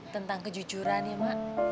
tentang kejujuran ya ma